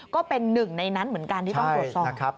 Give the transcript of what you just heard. ก็เป็นหนึ่งในนั้นเหมือนกันที่ต้องตรวจสอบ